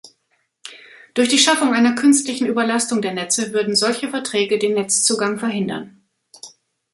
Durch die Schaffung einer künstlichen Überlastung der Netze würden solche Verträge den Netzzugang verhindern.